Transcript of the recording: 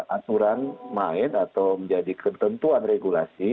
aturan main atau menjadi ketentuan regulasi